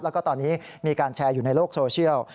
แล้วก็ตอนนี้มีการแชร์อยู่ในโลกโซเชียล